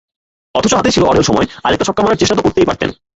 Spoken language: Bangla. অথচ হাতে ছিল অঢেল সময়, আরেকটা ছক্কা মারার চেষ্টা তো করতেই পারতেন।